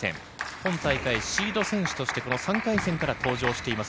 今大会、シード選手として３回戦から登場しています。